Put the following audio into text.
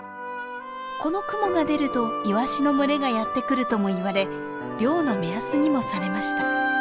この雲が出るとイワシの群れがやって来るともいわれ漁の目安にもされました。